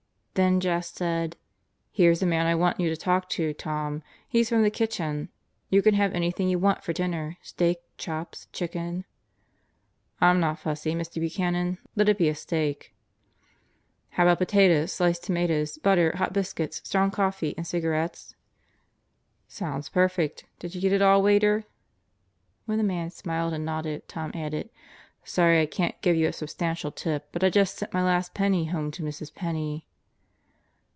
Then Jess said: "Here's a man I want you to talk to, Tom. He's from the kitchen. You can have any thing you want for dinner: steak, chops, chicken. ..," "I'm not fussy, Mr. Buchanan. Let it be a steak." "How about potatoes, sliced tomatoes, butter, hot biscuits, strong coffee, and cigarettes?" "Sounds perfect. Did you get it all, waiter?" When the man smiled and nodded, Tom added: "Sorry I can't give you a sub stantial tip, but I just sent my last penny home to Mrs. Penney."